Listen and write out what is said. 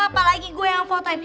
apalagi gue yang fotoin